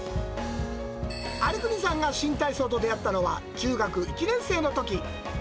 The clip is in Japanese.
有國さんが新体操と出会ったのは中学１年生のとき。